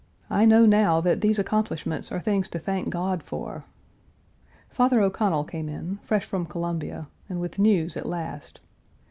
I know now that these accomplishments are things to thank God for. Father O'Connell came in, fresh from Columbia, and with news at last.